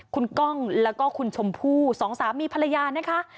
คุณก้องแล้วก็คุณชมพู่สองสามีภรรยานะคะ